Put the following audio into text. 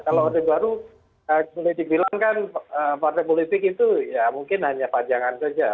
kalau odeh baru boleh dibilangkan partai politik itu ya mungkin hanya panjangan saja